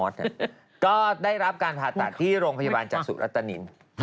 ใช่เ฼มือนอีกจะได้